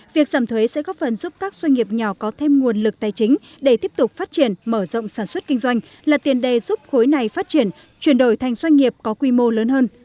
việc giảm thuế sẽ góp phần giúp các doanh nghiệp nhỏ có thêm nguồn lực tài chính để tiếp tục phát triển mở rộng sản xuất kinh doanh là tiền đề giúp khối này phát triển chuyển đổi thành doanh nghiệp có quy mô lớn hơn